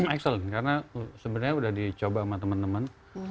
excellent karena sebenarnya sudah dicoba sama teman teman